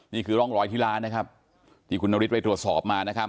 นี้คือร่องรอยที่ร้านที่คุณนอริฐไว้ตรวจสอบ